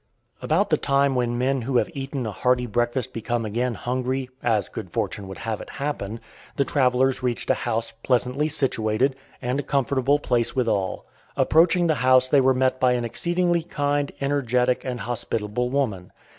] About the time when men who have eaten a hearty breakfast become again hungry as good fortune would have it happen the travellers reached a house pleasantly situated, and a comfortable place withal. Approaching the house they were met by an exceedingly kind, energetic, and hospitable woman.